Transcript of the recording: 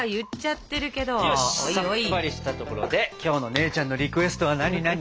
よしさっぱりしたところで今日の姉ちゃんのリクエストはなになに？